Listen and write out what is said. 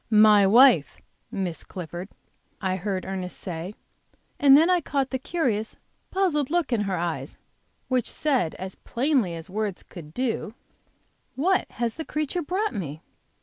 "My wife, Miss Clifford," I heard Ernest say, and then I caught the curious, puzzled look in her eyes, which said as plainly as words could do: "What has the creature brought me?"